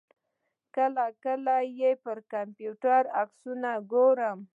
کله کله یې پر کمپیوټر عکسونه ګورم.